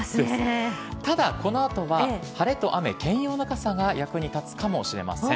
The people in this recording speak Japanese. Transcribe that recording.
ただ、この後は晴れと雨兼用の傘が役に立つかもしれません。